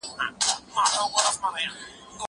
زه به مېوې وچولي وي!؟